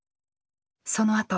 そのあと。